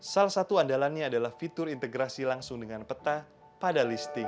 salah satu andalannya adalah fitur integrasi langsung dengan peta pada listing